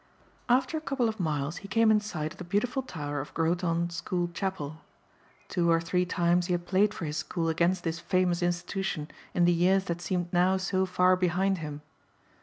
After a couple of miles he came in sight of the beautiful tower of Groton School Chapel. Two or three times he had played for his school against this famous institution in the years that seemed now so far behind him.